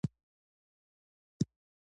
• د خټین دیوال ته نژدې کښېنه.